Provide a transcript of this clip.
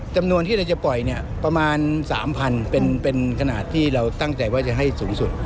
จำนวนที่เราจะปล่อยเนี่ยประมาณ๓๐๐เป็นขนาดที่เราตั้งใจว่าจะให้สูงสุด